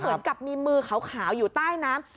เหมือนกับมีมือขาวอยู่ใต้น้ำ